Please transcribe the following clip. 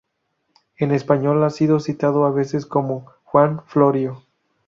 En español ha sido citado a veces como: Juan Florio.